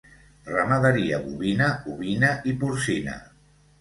Ramaderia bovina, ovina i porcina.